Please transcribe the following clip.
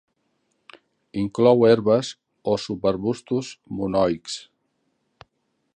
Inclou herbes o subarbustos monoics.